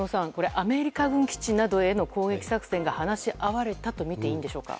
アメリカ軍基地などへの攻撃作戦が話し合われたとみていいんでしょうか。